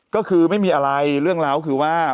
ก็คือไม่มีอะไรเรื่องราวคือว่า